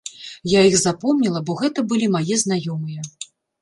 Я іх запомніла, бо гэта былі мае знаёмыя.